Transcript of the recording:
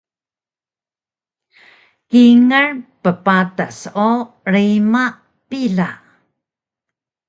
Kingal ppatas o rima pila